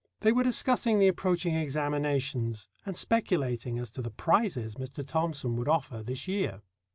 They were discussing the approaching examinations, and speculating as to the prizes Mr. Thomson would offer this year.